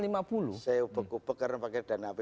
saya beku beku karena pakai dana apbd